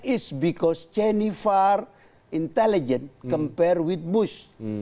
itu karena cheney jauh lebih intelijen dibanding bush